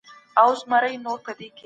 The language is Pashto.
انتقاد د علمي پرمختګ لامل ګرځي.